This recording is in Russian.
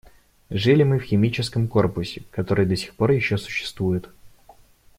Жили мы в химическом корпусе, который до сих пор еще существует.